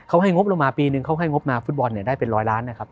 เขาให้งบลงมาปีนึงเขาให้งบมาฟุตบอลได้เป็นร้อยล้านนะครับ